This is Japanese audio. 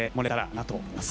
なと思います。